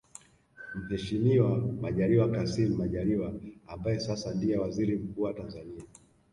Mheshimiwa Majaliwa Kassim Majaliwa ambaye sasa ndiye Waziri Mkuu wa Tanzania